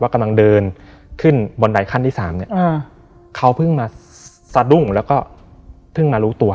ว่ากำลังเดินขึ้นบนใดขั้นที่๓เขาเพิ่งมาสะดุ้งแล้วก็เพิ่งมารู้ตัว